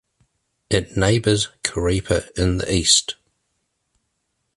It neighbours Karepa in the east.